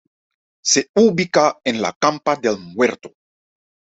Se ubica en la campa del Muerto.